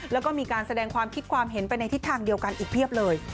แล้วก็มีการแสดงความคิดความเห็นไปในทิศทางเดียวกันอีกเพียบเลย